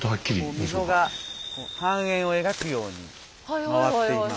溝が半円を描くように回っています。